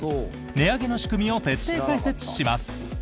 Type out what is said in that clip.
値上げの仕組みを徹底解説します。